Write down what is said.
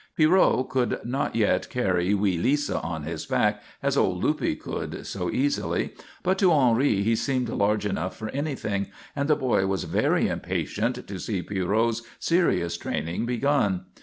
Pierrot could not yet carry wee Lisa on his back as old Luppe could so easily, but to Henri he seemed large enough for anything, and the boy was very impatient to see Pierrot's serious training begun.